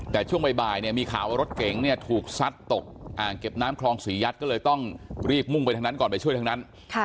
แต่ช่วงบ่ายเนี่ยมีข่าวว่ารถเก๋งเนี่ยถูกซัดตกอ่างเก็บน้ำคลองศรียัดก็เลยต้องรีบมุ่งไปทางนั้นก่อนไปช่วยทั้งนั้น